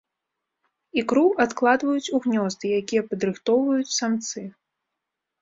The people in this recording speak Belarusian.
Ікру адкладваюць у гнёзды, якія падрыхтоўваюць самцы.